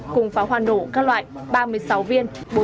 cùng pháo hoa nổ các loại ba mươi sáu viên